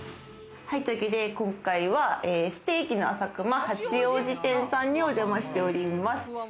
というわけで、今回はステーキのあさくま八王子店さんにお邪魔しております。